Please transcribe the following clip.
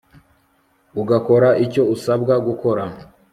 ugakora icyo usabwa gukora